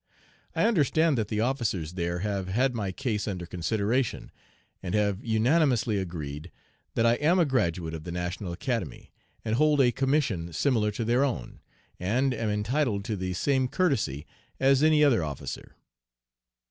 I understand that the officers there have had my case under consideration, and have unanimously agreed that I am a graduate of the national Academy, and hold a commission similar to their own, and am entitled to the same courtesy as any other officer.